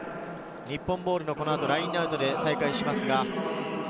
日本ボールのラインアウトで再開します。